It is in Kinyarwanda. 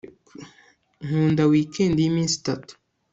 nkunda weekend yiminsi itatu